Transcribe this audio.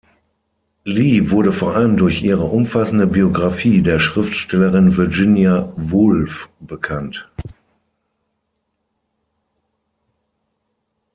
Lee wurde vor allem durch ihre umfassende Biografie der Schriftstellerin Virginia Woolf bekannt.